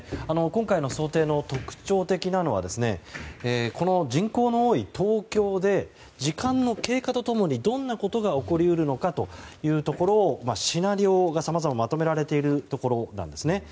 今回の想定で特徴的なのは人口の多い東京で時間の経過と共にどんなことが起こり得るのかというところのシナリオがさまざま、まとめられているところなんですね。